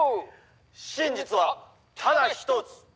真実はただ一つ！